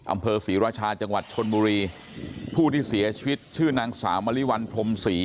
อำเภอศรีราชาจังหวัดชนบุรีผู้ที่เสียชีวิตชื่อนางสาวมริวัลพรมศรี